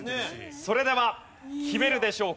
それでは決めるでしょうか？